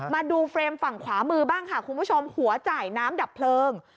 มาดูเฟรมฝั่งขวามือบ้างค่ะคุณผู้ชมหัวจ่ายน้ำดับเพลิง